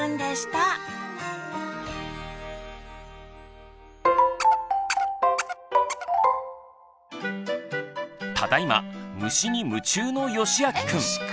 ただいま虫に夢中のよしあきくん。